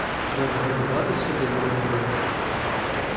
Треба готуватися до боротьби.